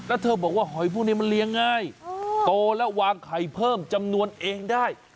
แล้วเธอบอกว่าหอยพวกนี้มันเลี้ยงง่ายโตแล้ววางไข่เพิ่มจำนวนเองได้